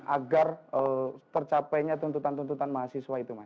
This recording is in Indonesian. agar tercapainya tuntutan tuntutan mahasiswa itu mas